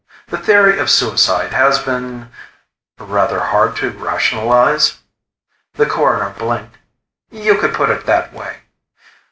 The theory of suicide has been "" rather hard to rationalize?" The Coroner blinked. "You could put it that way."